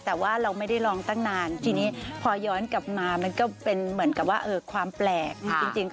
แต่ว่าเราไม่ได้ร้องตั้งนาน